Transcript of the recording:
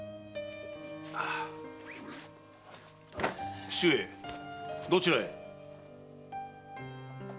義父上どちらへ？